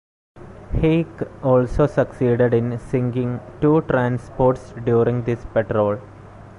"Hake" also succeeded in sinking two transports during this patrol.